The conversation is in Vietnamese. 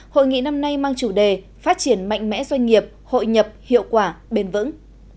hội nghị năm nay mang chủ đề phát triển mạnh mẽ doanh nghiệp hội nhập hiệu quả bền vững